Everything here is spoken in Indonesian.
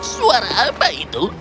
suara apa itu